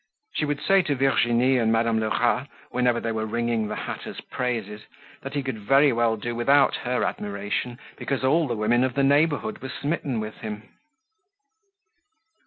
She would say to Virginie and Madame Lerat, whenever they were singing the hatter's praises, that he could very well do without her admiration, because all the women of the neighborhood were smitten with him.